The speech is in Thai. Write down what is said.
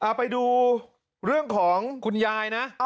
เอาไปดูเรื่องของคุณยายนะ